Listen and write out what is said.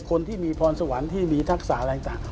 คนที่มีพรสวรรค์ที่มีทักษะอะไรต่าง